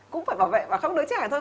cũng phải bảo vệ và không đứa trẻ thôi